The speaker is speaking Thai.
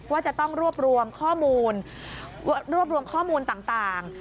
ว่าจะต้องรวบรวมข้อมูลรวบรวมข้อมูลต่าง